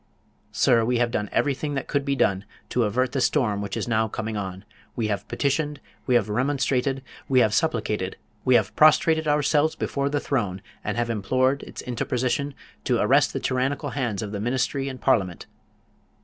Sir, we have done everything that could be done, to avert the storm which is now coming on. We have petitioned, we have remonstrated, we have supplicated, we have prostrated ourselves before the throne, and have implored its interposition to arrest the tyrannical hands of the Ministry and Parliament.